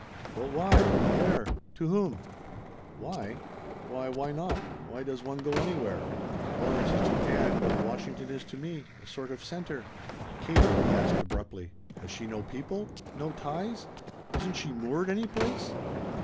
"But why? Where? To whom?" "Why? Why, why not? Why does one go anywhere? Florence is to Ann what Washington is to me a sort of center." "Katie," he asked abruptly, "has she no people? No ties? Isn't she moored any place?"